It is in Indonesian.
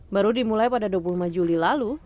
baru dimulai pada dua puluh lima juli lalu